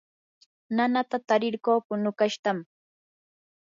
nanata tarirquu punukashqatam